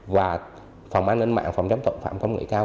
và phòng an ninh mạng phòng chống tội phạm công nghệ cao